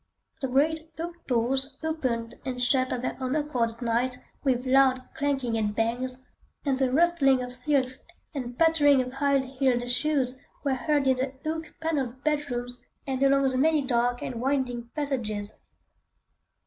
The great oak doors opened and shut of their own accord at night with loud clanging and bangs, and the rustling of silks and pattering of high heeled shoes were heard in the oak panelled bedrooms and along the many dark and winding passages.